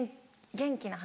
元気な話？